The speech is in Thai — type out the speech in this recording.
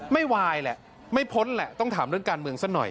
วายแหละไม่พ้นแหละต้องถามเรื่องการเมืองซะหน่อย